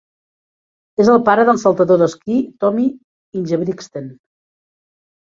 És el pare del saltador d'esquí Tommy Ingebrigtsen.